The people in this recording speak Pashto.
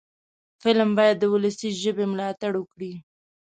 فلم باید د ولسي ژبې ملاتړ وکړي